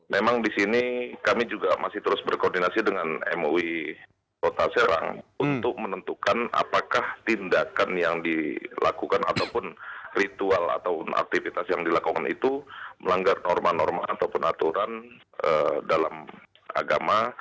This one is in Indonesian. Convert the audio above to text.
memang di sini kami juga masih terus berkoordinasi dengan mui kota serang untuk menentukan apakah tindakan yang dilakukan ataupun ritual atau aktivitas yang dilakukan itu melanggar norma norma ataupun aturan dalam agama